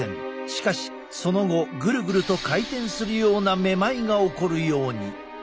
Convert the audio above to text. しかしその後ぐるぐると回転するようなめまいが起こるように。